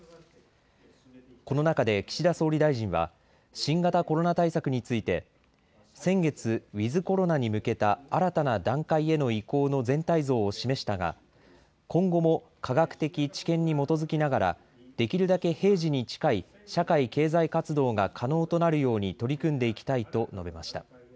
この中で岸田総理大臣は新型コロナ対策について先月、ウィズコロナに向けた新たな段階への移行の全体像を示したが今後も科学的知見に基づきながらできるだけ平時に近い社会経済活動が可能となるように取り組んでいきたいと述べました。